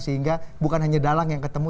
sehingga bukan hanya dalang yang ketemu